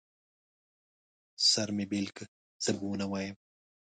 سر مې بېل که، څه به ونه وايم.